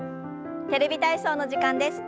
「テレビ体操」の時間です。